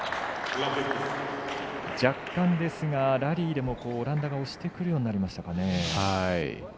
若干ですが、ラリーでもオランダが押してくるようになりましたかね。